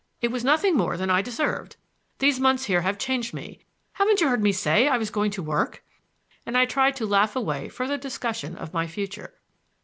It was nothing more than I deserved. These months here have changed me. Haven't you heard me say I was going to work?" And I tried to laugh away further discussion of my future.